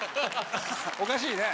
おかしいね。